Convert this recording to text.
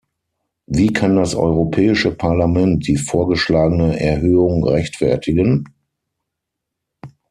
Wie kann das Europäische Parlament die vorgeschlagene Erhöhung rechtfertigen?